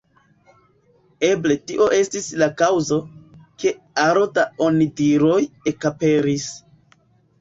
Eble tio estis la kaŭzo, ke aro da onidiroj ekaperis.